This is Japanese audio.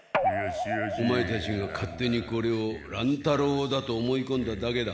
オマエたちが勝手にこれを乱太郎だと思いこんだだけだ。